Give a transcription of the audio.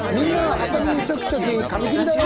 はさみチョキチョキ紙切りだよ」。